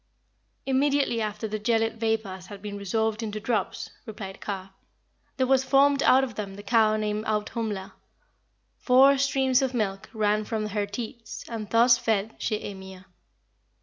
"Immediately after the gelid vapours had been resolved into drops," replied Kar, "there was formed out of them the cow named Audhumla. Four streams of milk ran from her teats, and thus fed she Ymir."